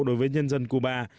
đối với những người dân cuba